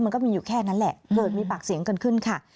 มันก็มีอยู่แค่นั้นแหละเกิดมีปากเสียงกันขึ้นค่ะ